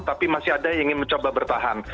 tapi masih ada yang ingin mencoba bertahan